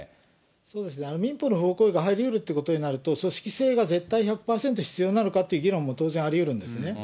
そうですね、民法の不法行為が入りうるということになると、組織性が絶対１００％必要なのかという議論も当然ありうるんですね。